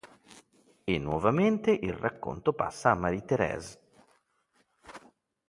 E nuovamente il racconto passa a Marie-Thérèse.